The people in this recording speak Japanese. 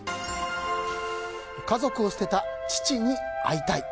家族を捨てた父に会いたい。